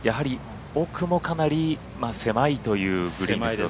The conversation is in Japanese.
奥もかなり狭いというグリーンですよね。